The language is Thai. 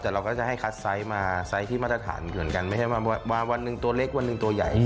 แต่เราก็จะให้คัดไซส์มาไซส์ที่มาตรฐานเหมือนกันไม่ใช่ว่ามาวันหนึ่งตัวเล็กวันหนึ่งตัวใหญ่